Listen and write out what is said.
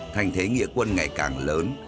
thành thế nghĩa quân ngày càng lớn